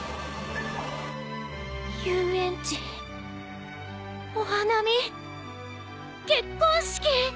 遊園地お花見結婚式。